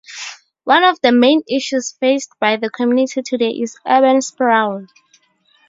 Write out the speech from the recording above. One of the main issues faced by the community today is urban sprawl.